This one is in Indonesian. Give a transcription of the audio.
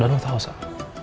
dan lo tau sah